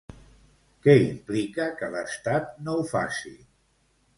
Què implica que l'estat no ho faci?